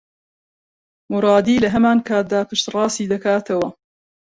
مورادی لە هەمان کاتدا پشتڕاستی دەکاتەوە